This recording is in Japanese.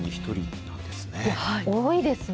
多いですね。